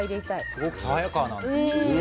すごく爽やかなんですよね。